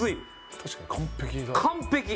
確かに完璧だ。